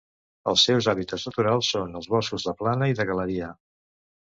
Els seus hàbitats naturals són els boscos de plana i de galeria.